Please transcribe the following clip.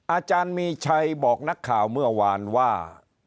อาจารย์มีชัยบอกนักข่าวเมื่อวานว่า